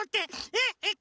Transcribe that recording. えっえっ